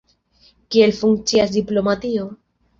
Kiel funkcias diplomatio.